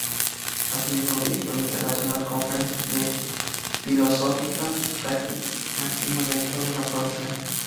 Asimismo, dirigió el "International Conference on Philosophical Practice", máximo evento de la profesión.